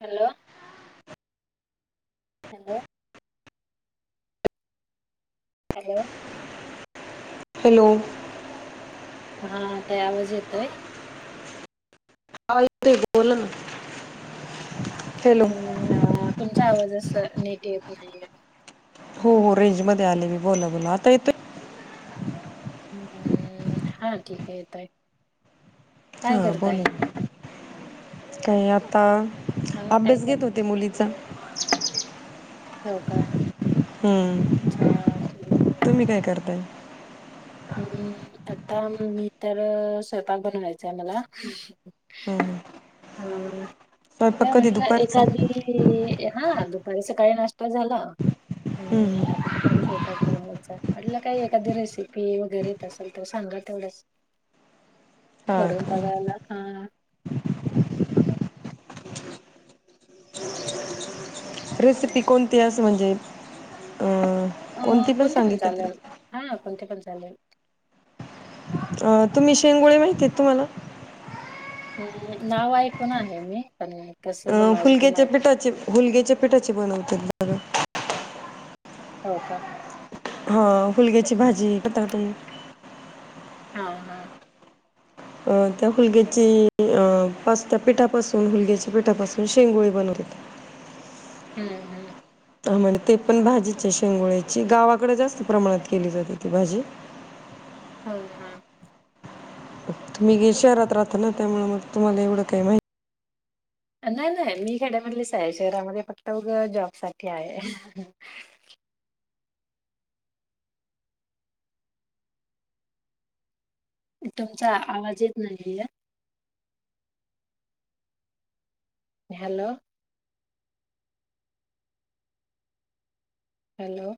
Hello. Hello hello. Hello. हाताय आवाज येतय. हा ताई बोला ना हॅलो हम्म तुमचा आवाज असा नेट येत, नाही. हो हो रेंजमध्येध्ये आले मी बोला बोला आता येतोय, हम्म हा ठीक आहे येतोय. काय हा करताय बोल आता. काही आता हा काय अभ्यास घेत करता होते मुलीचा हो का. हम्म अच्छा तुम्ही काय करताय? अं आता मग मी तर स्वयंपाक बनवायचं आहे मला. हम्म. अ स्वयंपाक त्या कधी म्हटलं दुपारचा एखादी हा दु होय सकाळी नाष्टा झाला. हम्म आता दुपारी स्वयंपाक बनवायचा आहे. म्हटलं काय एखादी रेसि पी वगैर येत असेल तर सांगा तेवढंच हां करून का बघायला. हा. रेसिपी कोणती असं म्हणजे अ अ कोणती पण चाललं, हा कोणती पण- चालेल. अ तुम्ही शेंगोळे माहिती आहेत तुम्हाला? हम्म नाव ऐकून आहे मी. पण कसं अं बनवायचं ते हुलग्याच्या माहित नाही पिठाचे हुलग्याचे पिठाचे बनवतेत बरं. हो का. हा हुलग्याची भाजी पत्रातून हा-हा. अं त्या हुलग्याची अं पास्ता पिठापासून हुलग्याच्या पिठापासून शेंगोळी बनवतेत. हम्म-हम्म. ह मग तेपण भाजीचे शेंगोळची गावाकडं जसं प्रमाणात केली जाते ती भाजी. हा-हा. मी गे शहरात राहता ना, त्यामुळे मग तुम्हाला एवढं काय माहिती. नाही-नाही मी खेड्यामधलीच आहे, शहरामध्ये फक्त उग जॉबसाठी आहे. [inaudible] तुमचा आवाज येत नाहीये. हॅलो. हॅलो.